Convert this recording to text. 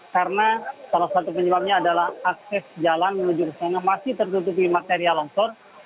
karena salah satu penyebabnya adalah akses jalan menuju ke sana masih tertutupi material longsor